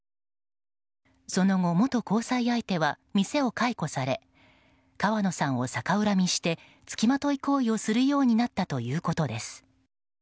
その後元交際相手は店を解雇され川野さんを逆恨みしてつきまとい行為をするようになったということです。